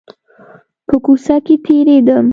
په کوڅه کښې تېرېدم .